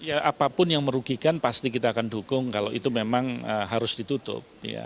ya apapun yang merugikan pasti kita akan dukung kalau itu memang harus ditutup